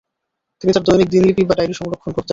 তিনি তার দৈনিক দিনলিপি বা ডায়রী সংরক্ষণ করতেন।